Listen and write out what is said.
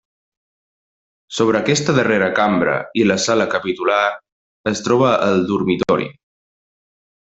Sobre aquesta darrera cambra i la sala capitular es troba el dormitori.